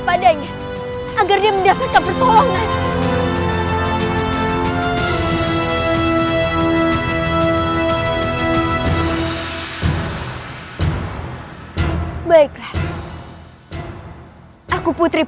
tidak perlu kamu membungkuk seperti itu